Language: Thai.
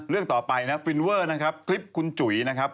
เรื่องต่อไปฟิล์นเวอร์คลิปคุณจุ๋ยนะครับ